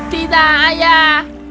tidak ayah lebih besar